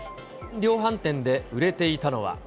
量販店で売れていたのは。